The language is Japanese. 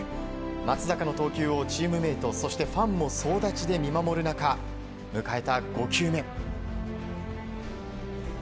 松坂の投球をチームメートそしてファンも総立ちで見守る中迎えた５球目。